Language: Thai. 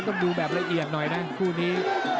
ต้องดูแบบละเอียดหน่อยนะคู่นี้